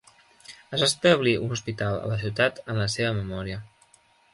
Es va establir un hospital a la ciutat en la seva memòria.